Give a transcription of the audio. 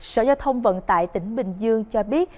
sở giao thông vận tải tỉnh bình dương cho biết